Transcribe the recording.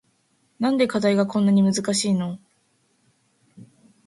なんで課題がこんなに難しいの